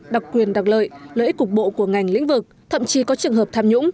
đặc quyền đặc lợi lợi ích cục bộ của ngành lĩnh vực thậm chí có trường hợp tham nhũng